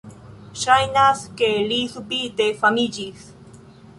Ŝajnas ke li subite famiĝis."